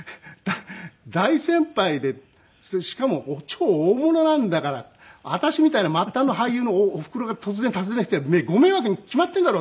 「大先輩でしかも超大物なんだから私みたいな末端の俳優のおふくろが突然訪ねてご迷惑に決まってるだろ！」